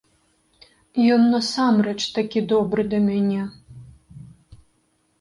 Ён насамрэч такі добры да мяне!